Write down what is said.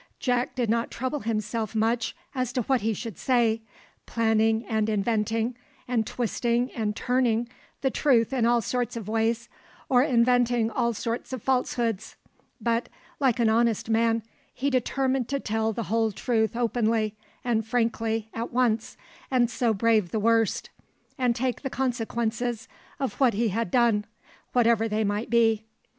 Jack did not trouble himself much as to what he should say, planning, and inventing, and twisting, and turning the truth in all sorts of ways, or inventing all sorts of falsehoods, but, like an honest man, he determined to tell the whole truth openly and frankly at once, and so brave the worst, and take the consequences of what he had done, whatever they might be.